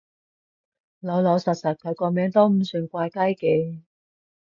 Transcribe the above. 老老實實，佢個名都唔算怪雞嘅